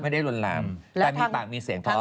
ไม่ได้ลวนลามแต่มีปากมีเสียงทะเลาะ